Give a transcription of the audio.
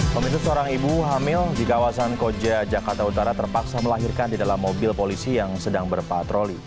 pemirsa seorang ibu hamil di kawasan koja jakarta utara terpaksa melahirkan di dalam mobil polisi yang sedang berpatroli